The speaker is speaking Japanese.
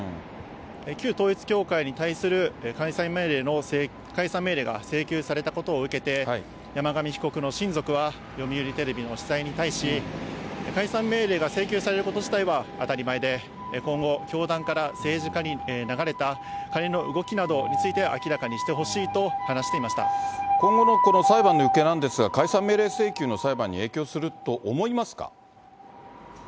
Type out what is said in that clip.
旧統一教会に対する解散命令が請求されたことを受けて、山上被告の親族は、読売テレビの取材に対し、解散命令が請求されること自体は当たり前で、今後、教団から政治家に流れた金の動きなどについて明らかにしてほしい今後の裁判の行方なんですが、解散命令請求の裁判に影響すると思いますか。